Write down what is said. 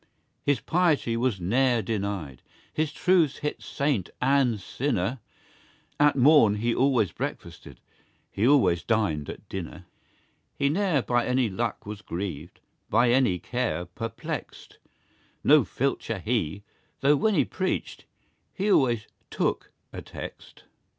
His piety was ne'er denied; His truths hit saint and sinner; At morn he always breakfasted; He always dined at dinner. He ne'er by any luck was grieved, By any care perplexed No filcher he, though when he preached, He always "took" a text.